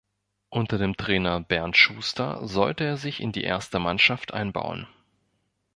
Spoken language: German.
Unter dem Trainer Bernd Schuster sollte er sich in die erste Mannschaft einbauen.